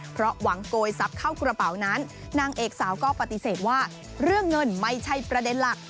เพราะหวังโกยทรัพย์เข้ากระเป๋านั้นนางเอกสาวก็ปฏิเสธว่าเรื่องเงินไม่ใช่ประเด็นหลัก